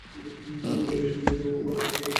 এই বলিয়া বিধু ঘর হইতে বাহির হইয়া গেলেন।